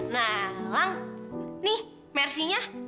nah lang nih mercy nya